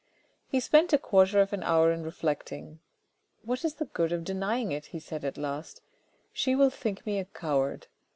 He spent a quarter of an hour in reflecting. " What is the good of denying it ?" he said at last. " She will think me a coward.